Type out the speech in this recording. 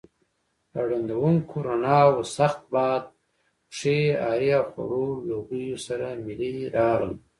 له ړندونکو رڼاوو، سخت باد، پښې هارې او خړو لوګیو سره ملې راغلې.